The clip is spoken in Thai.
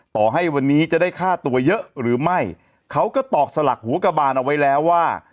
ต่อให้วันนี้จะได้ค่าตัวเยอะหรือไม่เขาก็ตอกสลักหัวกระบานเอาไว้แล้วว่า